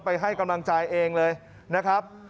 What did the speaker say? ไปให้กำลังจ่ายเองเลยนะครับ